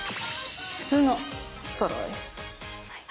普通のストローです。